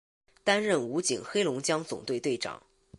担任武警黑龙江总队队长。